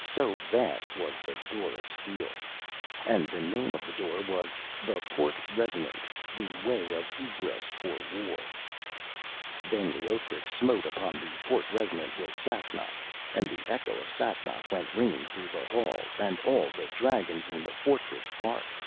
So vast was the door of steel. And the name of the door was The Porte Resonant, the Way of Egress for War. Then Leothric smote upon the Porte Resonant with Sacnoth, and the echo of Sacnoth went ringing through the halls, and all the dragons in the fortress barked.